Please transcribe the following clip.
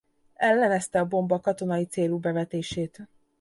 Ellenezte a bomba katonai célú bevetését.